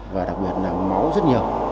và đặc biệt là mẫu rất nhiều